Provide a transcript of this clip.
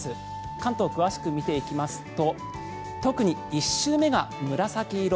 関東詳しく見ていきますと特に１週目が紫色